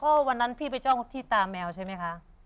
ก็วันนั้นพี่ไปจ้องที่ตาแมวใช่ไหมคะ